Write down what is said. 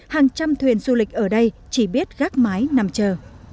hàng trăm thuyền du lịch ở đây chỉ biết gác mái nằm chờ